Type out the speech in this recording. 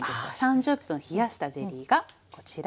３０分冷やしたゼリーがこちらです。